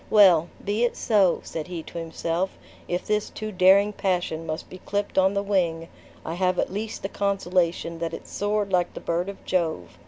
"Well! be it so!" said he to himself, "if this too daring passion must be clipped on the wing, I have at least the consolation that it soared like the bird of Jove!